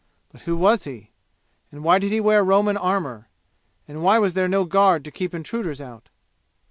But who was he? And why did he wear Roman armor? And why was there no guard to keep intruders out?